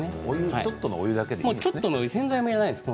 ちょっとのお湯だけでいいんですね。